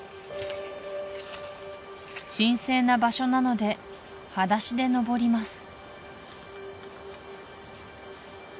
神聖な場所なので裸足で登ります